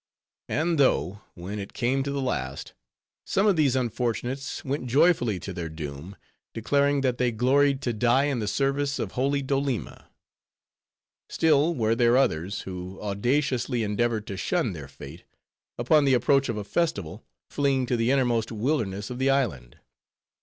And, though, when it came to the last, some of these unfortunates went joyfully to their doom, declaring that they gloried to die in the service of holy Doleema; still, were there others, who audaciously endeavored to shun their fate; upon the approach of a festival, fleeing to the innermost wilderness of the island.